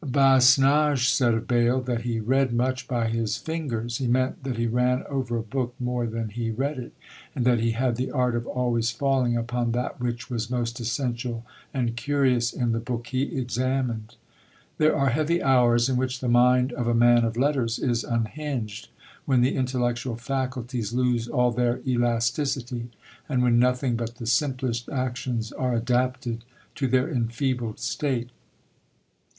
Basnage said of Bayle, that he read much by his fingers. He meant that he ran over a book more than he read it; and that he had the art of always falling upon that which was most essential and curious in the book he examined. There are heavy hours in which the mind of a man of letters is unhinged; when the intellectual faculties lose all their elasticity, and when nothing but the simplest actions are adapted to their enfeebled state.